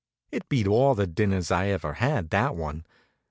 It beat all the dinners I ever had, that one.